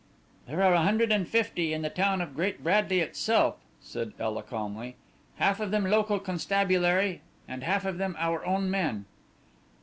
"There are a hundred and fifty in the town of Great Bradley itself," said Ela calmly; "half of them local constabulary, and half of them our own men."